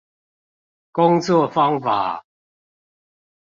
工作方法